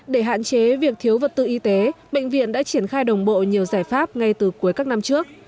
để hạn chế việc thiếu vật tư y tế bệnh viện đã triển khai đồng bộ nhiều giải pháp ngay từ cuối các năm trước